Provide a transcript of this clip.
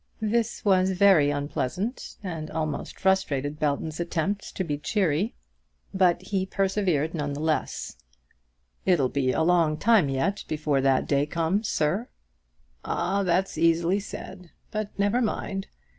This was very unpleasant, and almost frustrated Belton's attempts to be cheery. But he persevered nevertheless. "It'll be a long time yet before that day comes, sir." "Ah; that's easily said. But never mind.